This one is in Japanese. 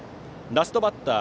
ラストバッター